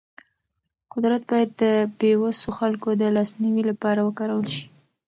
قدرت باید د بې وسو خلکو د لاسنیوي لپاره وکارول شي.